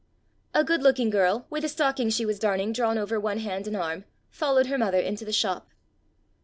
A good looking girl, with a stocking she was darning drawn over one hand and arm, followed her mother into the shop.